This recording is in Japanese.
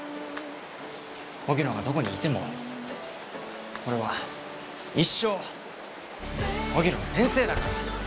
荻野がどこにいても俺は一生荻野の先生だから！